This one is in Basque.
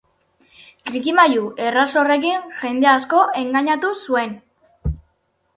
Trikimailu erraz horrekin jende asko engainatu zuen.